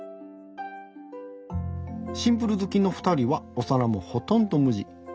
シンプル好きのふたりはお皿もほとんど無地。